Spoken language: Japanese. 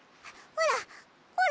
ほら！